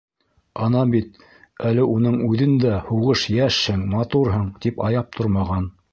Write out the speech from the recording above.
Ана бит әле уның үҙен дә һуғыш йәшһең, матурһың тип аяп тормаған.